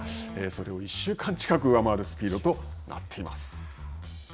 それを１週間近く上回るスピードとなっています。